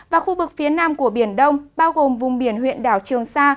và khu vực phía nam của biển đông bao gồm vùng biển huyện đảo trường sa